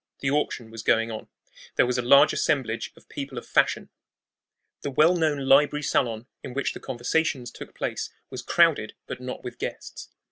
The auction was going on. There was a large assemblage of people of fashion. Every room was thronged; the well known library salon, in which the conversaziones took place, was crowded, but not with guests.